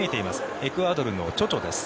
エクアドルのチョチョです。